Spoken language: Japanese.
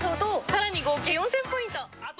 更に合計４０００ポイント。